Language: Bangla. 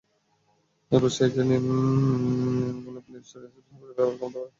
অ্যাপের সাহায্য নিনগুগলের প্লে স্টোরে স্মার্টফোনের ব্যবহার কমাতে পারে এমন অনেক অ্যাপ পাবেন।